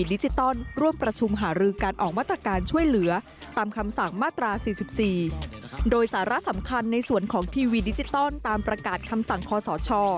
โดยสาระสำคัญในส่วนของทีวีดิจิตอลตามประกาศคำสั่งคอสช